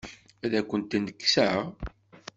Ad akent-ten-kkseɣ?